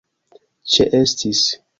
ĉeestis